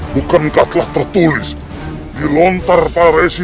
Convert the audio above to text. bukankah telah tertulis di lontar para resi